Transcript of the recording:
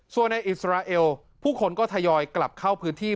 ส่วนในอิสราเอลผู้คนก็ทยอยกลับเข้าพื้นที่